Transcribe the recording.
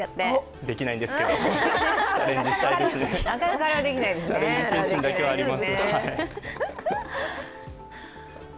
できないんですけど、チャレンジ精神だけはあります。